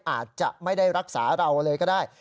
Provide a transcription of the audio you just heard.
อาจจะไม่ได้รักษาเราเลยก็ได้